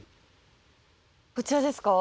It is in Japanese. こちらですか？